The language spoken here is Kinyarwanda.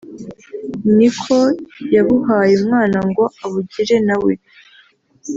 ni ko yabuhaye Umwana ngo abugire na we